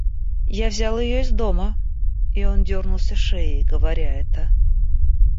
Я взял ее из дома, — и он дернулся шеей, говоря это.